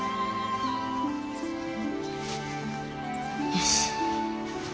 よし。